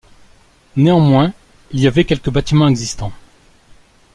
Néanmoins, il y avait quelques bâtiments existants.